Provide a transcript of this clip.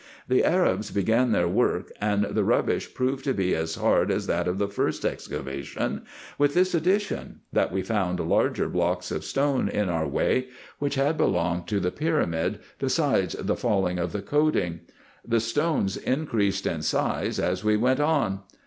The Arabs began their work, and the rubbish proved to be as hard as that of the first excavation, with this addition, that we found larger blocks of stone in our way, which had belonged to the pyramid, besides the falling of the coating. The stones increased in size as we went on.